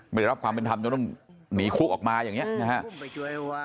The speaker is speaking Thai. ไม่ได้รับความเป็นธรรมจนต้องหนีคุกออกมาอย่างนี้นะครับ